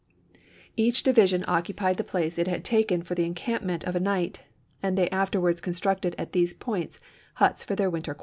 Each division occupied the place it had taken for the encampment of a night, and they afterwards constructed at these points huts for their winter